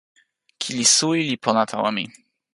kili suwi li pona tawa mi.